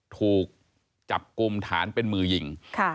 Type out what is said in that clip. ถูกจับกลุ่มฐานเป็นมือยิง